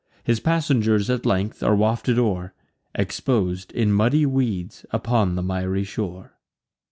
His passengers at length are wafted o'er, Expos'd, in muddy weeds, upon the miry shore.